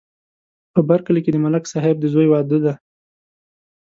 په بر کلي کې د ملک صاحب د زوی واده دی